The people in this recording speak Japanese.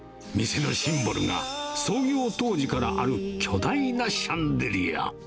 店のシンボルが、創業当時からある巨大なシャンデリア。